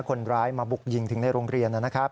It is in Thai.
คนร้ายมาบุกยิงถึงในโรงเรียนนะครับ